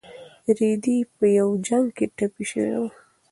رېدی په یو جنګ کې ټپي شوی و.